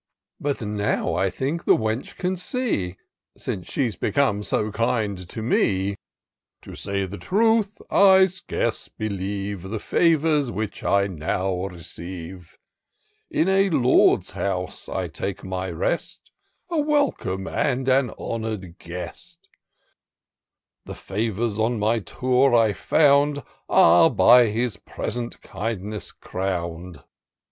But now I think the wench can see. Since she's become so kind to me. To say the truth, I scarce believe The favours which I now receive : In a Lord's house I take my rest, A welcome and an honour'd guest : 278 TOUR OF DOCTOR SYNTAX The favours on my Tour I found Are by his present kindness crown'd.